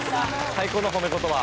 最高の褒め言葉。